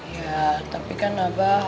ya tapi kan abah